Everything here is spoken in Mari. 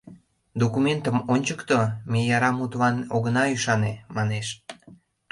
— Документым ончыкто, ме яра мутлан огына ӱшане, манеш.